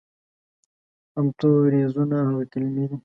همتوریزونه هغه کلمې دي